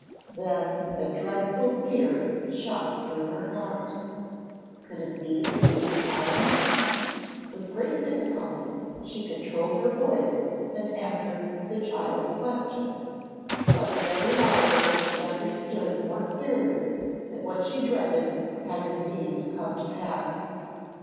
Then a dreadful fear shot through her heart. Could it be that he was blind? With great difficulty she controlled her voice and answered the child's questions, but with every hour she understood more clearly that what she dreaded had indeed come to pass.